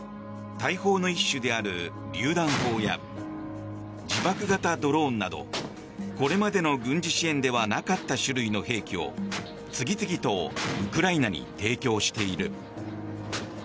大砲の一種であるりゅう弾砲や自爆型ドローンなどこれまでの軍事支援ではなかった種類の兵器を次々とウクライナに提供している。